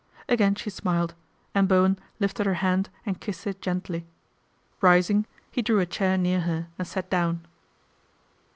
Again she ' smiled, and Bowen lifted her hand and kissed it gently. Rising he drew a chair near her and sat down.